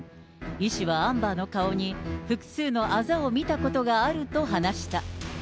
医師はアンバーの顔に、複数のあざを見たことがあると話した。